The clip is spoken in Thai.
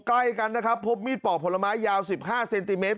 โอ้โหใกล้กันนะครับพบมีดเปาะผลไม้ยาวสิบห้าเซนติเมตร